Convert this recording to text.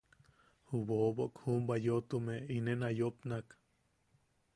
Ju bobok juʼubwa yoʼotume inen a yopnak: